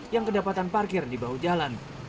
yang kedapatan parkir di bahu jalan